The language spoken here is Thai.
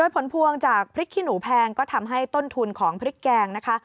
กลับปับเยอะเลยค่ะคือน้อยลงค่ะ